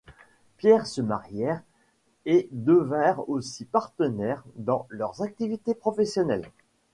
Pierre se marièrent et devinrent, aussi, partenaires dans leurs activités professionnelles.